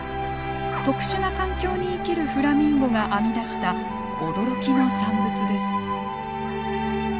特殊な環境に生きるフラミンゴが編み出した驚きの産物です。